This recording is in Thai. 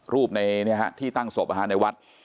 รูปในที่ตั้งศพในวัด